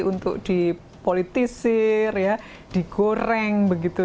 untuk dipolitisir digoreng